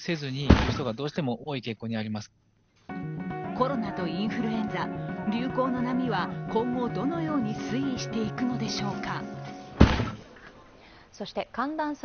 コロナとインフルエンザ、流行の波は今後、どのように推移していくのでしょうか。